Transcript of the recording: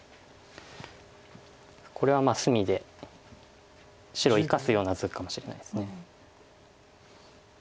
これは隅で白を生かすような図かもしれないです。